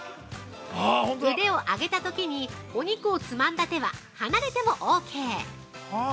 ◆腕を上げたときにお肉をつまんだ手は離れてもオーケー。